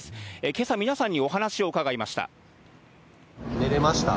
けさ、皆さんにお話を伺いました。